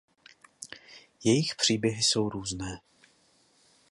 Jejich příběhy jsou různé.